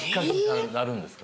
なるんですか？